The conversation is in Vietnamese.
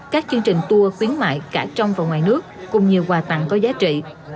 các chương trình tour khuyến mại cả trong và ngoài nước cùng nhiều quà tặng có giá trị